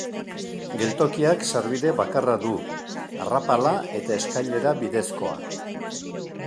Geltokiak sarbide bakarra du, arrapala eta eskailera bidezkoa.